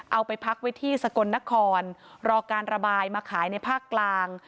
เอาไปพักไว้ที่สกลนครรอการระบายมาขายในภาคกลาง